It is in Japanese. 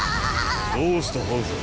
どうしたハウザー？